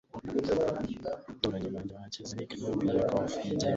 Abaturanyi banjye bakize ni club ya golf yigenga.